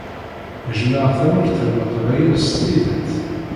Jjmeɣ Tamurt n Leqbayel s tidet.